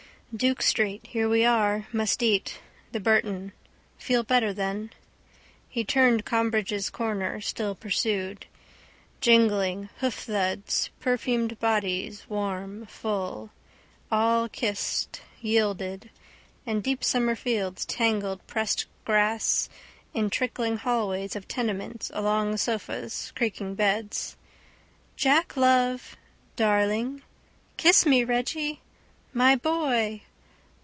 Duke street. Here we are. Must eat. The Burton. Feel better then. He turned Combridge's corner, still pursued. Jingling, hoofthuds. Perfumed bodies, warm, full. All kissed, yielded: in deep summer fields, tangled pressed grass, in trickling hallways of tenements, along sofas, creaking beds. —Jack, love! —Darling! —Kiss me, Reggy! —My boy!